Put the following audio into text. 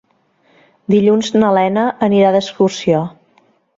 Dilluns na Lena anirà d'excursió.